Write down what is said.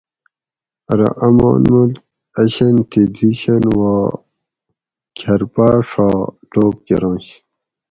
ارو آمان ملک آ شن تھی دی شن وا کرپا ڛا ٹوپ کرنش